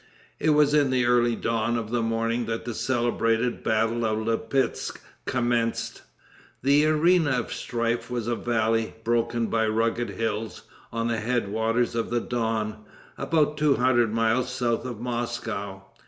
It was in the early dawn of the morning that the celebrated battle of Lipetsk commenced. The arena of strife was a valley, broken by rugged hills, on the head waters of the Don, about two hundred miles south of Moscow.